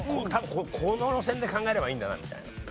多分この路線で考えればいいんだなみたいな。